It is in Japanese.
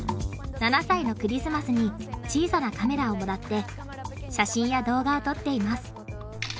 ７さいのクリスマスに小さなカメラをもらって写真や動画を撮っています。